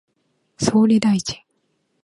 総理大臣